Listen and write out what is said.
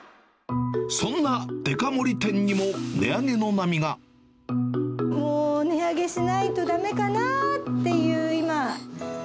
そんなデカ盛り店にも、値上げのもう、値上げしないとだめかなーっていう、今。